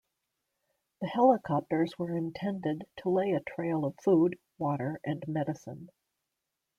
The helicopters were intended to lay a trail of food, water and medicine.